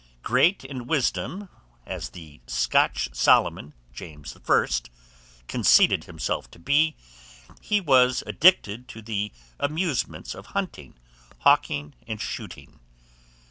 Great in wisdom as the Scotch Solomon, James I., conceited himself to be, he was much addicted to the amusements of hunting, hawking, and shooting.